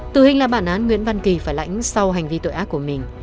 tử hình là bản án nguyễn văn kỳ phải lãnh sau hành vi tội ác của mình